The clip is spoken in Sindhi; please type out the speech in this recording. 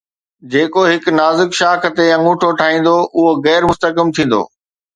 جيڪو هڪ نازڪ شاخ تي آڱوٺو ٺاهيندو، اهو غير مستحڪم ٿيندو